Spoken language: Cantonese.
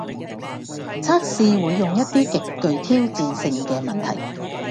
測試會用一啲極具挑戰性嘅問題